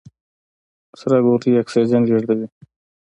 سره ګولۍ اکسیجن لېږدوي.